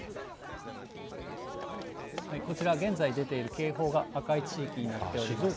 こちら、現在出ている警報が赤い地域になっております。